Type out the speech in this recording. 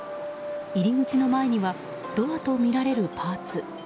入り口の前にはドアとみられるパーツ。